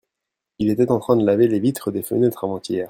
il était en train de laver les vitres des fenêtres avant-hier.